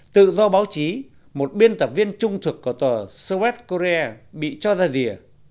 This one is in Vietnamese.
tự do báo chí một biên tập viên trung thực của tờ suez korea bị cho ra rìa